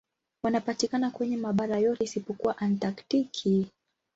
Wanapatikana kwenye mabara yote isipokuwa Antaktiki.